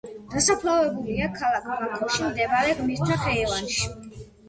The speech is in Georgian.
დასაფლავებულია ქალაქ ბაქოში მდებარე გმირთა ხეივანში.